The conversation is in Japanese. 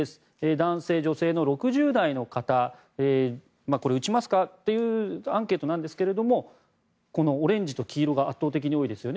男性、女性の６０代の方これ、打ちますかというアンケートなんですがオレンジと黄色が圧倒的に多いですよね。